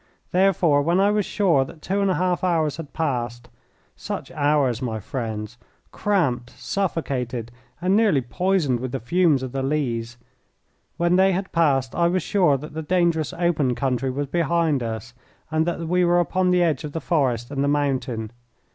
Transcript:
Therefore, when I was sure that two and a half hours had passed such hours, my friends, cramped, suffocated, and nearly poisoned with the fumes of the lees when they had passed, I was sure that the dangerous open country was behind us, and that we were upon the edge of the forest and the mountain.